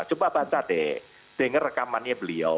coba baca deh dengar rekamannya beliau